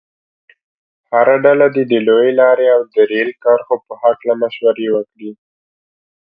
هره ډله دې د لویې لارې او د ریل کرښو په هلکه مشوره وکړي.